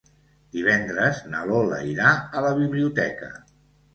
Divendres na Lola irà a la biblioteca.